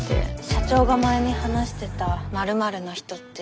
社長が前に話してたまるまるの人って。